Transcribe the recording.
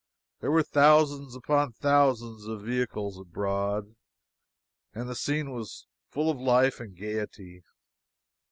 There were thousands upon thousands of vehicles abroad, and the scene was full of life and gaiety.